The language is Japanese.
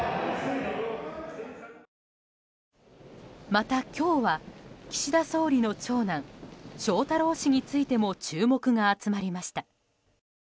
また、今日は岸田総理の長男・翔太郎氏についても注目が集まりました。